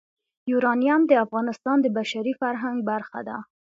یورانیم د افغانستان د بشري فرهنګ برخه ده.